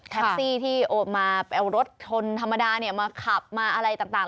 แท็กซี่ที่มาเอารถชนธรรมดามาขับมาอะไรต่าง